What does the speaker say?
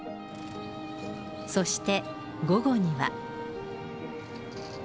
そして、午後には。